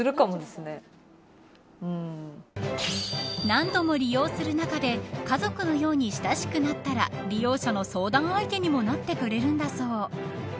何度も利用する中で家族のように親しくなったら利用者の相談相手にもなってくれるんだそう。